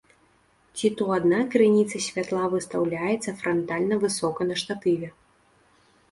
Ці то адна крыніца святла выстаўляецца франтальна высока на штатыве.